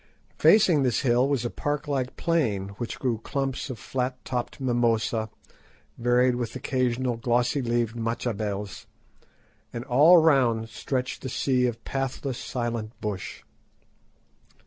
Facing this hill was a park like plain, where grew clumps of flat topped mimosa, varied with occasional glossy leaved machabells, and all round stretched the sea of pathless, silent bush.